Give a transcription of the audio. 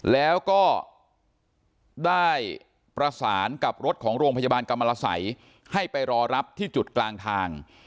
แล้วก็ได้ประสานกับรถของโรงพยาบาลกรรมละสัยให้ไปรอรับที่จุดกลางทาง